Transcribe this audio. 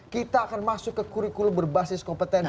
kita akan masuk ke kurikulum berbasis kompetensi